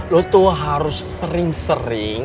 lo tuh harus sering sering